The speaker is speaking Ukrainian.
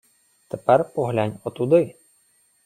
— Тепер поглянь отуди!